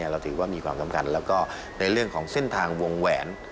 เราถือว่ามีความสำคัญแล้วก็ในเรื่องของเส้นทางวงแหวน